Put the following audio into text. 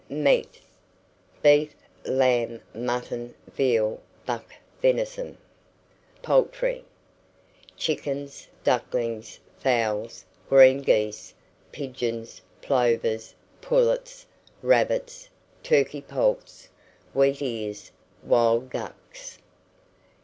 MEAT. Beef, lamb, mutton, veal, buck venison. POULTRY. Chickens, ducklings, fowls, green geese, pigeons, plovers, pullets, rabbits, turkey poults, wheatears, wild ducks.